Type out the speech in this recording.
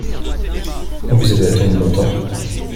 Vous avez attendu longtemps ?